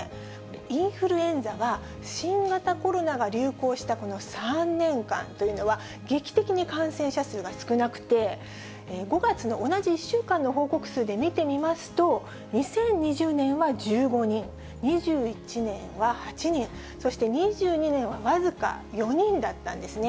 インフルエンザは、新型コロナが流行したこの３年間というのは、劇的に感染者数が少なくて、５月の同じ１週間の報告数で見てみますと、２０２０年は１５人、２１年は８人、そして２２年は僅か４人だったんですね。